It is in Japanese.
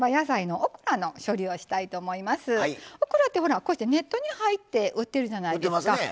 オクラって、こうしてネットに入って売ってるじゃないですか。